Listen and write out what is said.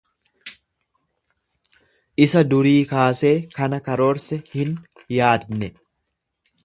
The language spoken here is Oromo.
Isa durii kaasee kana karoorse hin yaadne.